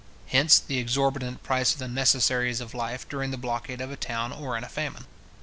Hence the exorbitant price of the necessaries of life during the blockade of a town, or in a famine.